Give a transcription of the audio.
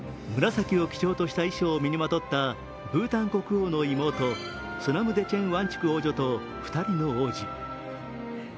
紫を基調とした衣装を身にまとったブータン国王の妹、ソナム・デチェン・ワンチュク王女と２人の王子。